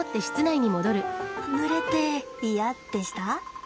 ぬれて嫌でした？